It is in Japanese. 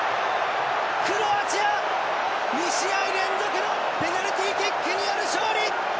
クロアチア、２試合連続のペナルティーキックによる勝利！